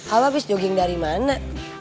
allah abis jogging dari mana